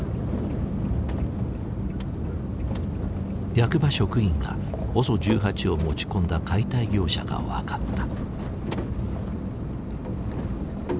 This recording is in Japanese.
役場職員がＯＳＯ１８を持ち込んだ解体業者が分かった。